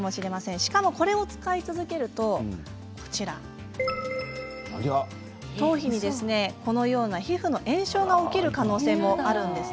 しかも、これを使い続けると頭皮にこのような皮膚の炎症が起きる可能性もあるんです。